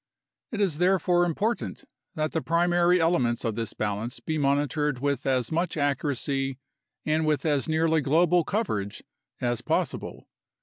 It is therefore important that the primary ele ments of this balance be monitored with as much accuracy and with as nearly global coverage as possible.